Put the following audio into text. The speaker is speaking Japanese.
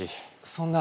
そんな。